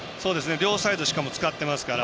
両サイドしかも使っていますから。